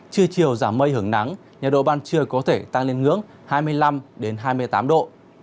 trưa chiều giảm mây hưởng nắng nhiệt độ ban trưa có thể tăng lên ngưỡng hai mươi năm hai mươi tám độ